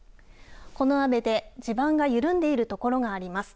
この雨で地盤が緩んでいる所があります。